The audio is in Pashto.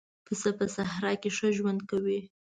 پسه په صحرا کې ښه ژوند کوي.